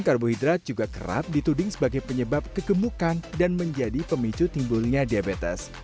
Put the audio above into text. karbohidrat juga kerap dituding sebagai penyebab kegemukan dan menjadi pemicu timbulnya diabetes